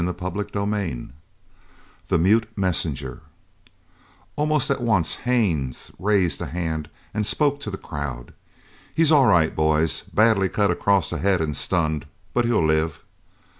CHAPTER VII THE MUTE MESSENGER Almost at once Haines raised a hand and spoke to the crowd: "He's all right, boys. Badly cut across the head and stunned, but he'll live."